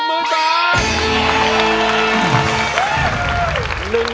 ๑มื้อ